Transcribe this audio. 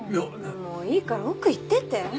もういいから奥行ってて。